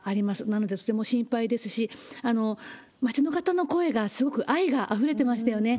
なので、とても心配ですし、街の方の声が、すごく愛があふれてましたよね。